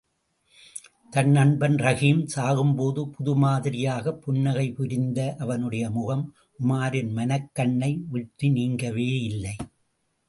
தன் நண்பன் ரஹீம் சாகும்போது புது மாதிரியாகப் புன்னகை புரிந்த அவனுடைய முகம் உமாரின் மனக்கண்ணை விட்டு நீங்கவேயில்லை.